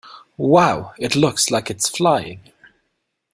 Wow! It looks like it is flying!